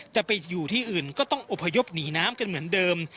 จะไปอยู่ที่อื่นก็ต้องอบพยพหนีน้ำกันเหมือนเดิม